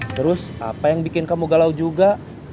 terus apa yang bikin kamu galau juga